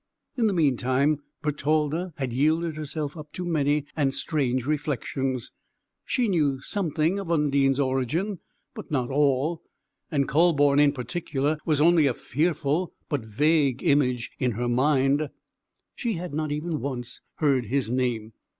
In the meantime, Bertalda had yielded herself up to many and strange reflections. She knew something of Undine's origin, but not all! and Kühleborn in particular was only a fearful but vague image in her mind; she had not even once heard his name.